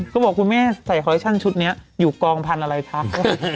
ก็บอกคุณแม่ใส่คอเคชั่นชุดนี้อยู่กองพันธุ์อะไรพัก